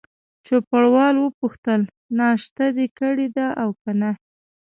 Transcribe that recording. چوپړوال وپوښتل: ناشته دي کړې ده او که نه؟